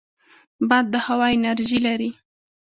باد د هوا انرژي لري